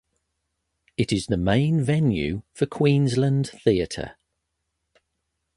It is the main venue for Queensland Theatre.